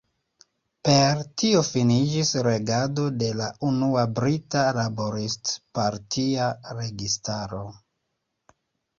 Per tio finiĝis regado de la unua brita Laborist-partia registaro.